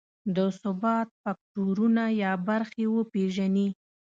د ثبات فکټورونه یا برخې وپېژني.